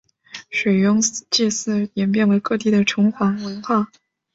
水庸祭祀演变为各地的城隍文化。